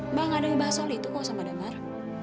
mbak gak ada ubah soli itu kok sama damar